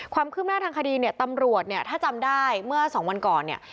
ความคืบหน้าทางคดีเนี่ยตำรวจเนี่ยถ้าจำได้เมื่อสองวันก่อนเนี่ย